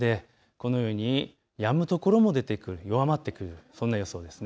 このようにやむ所も出てくる、弱まってくる、そんな予想です。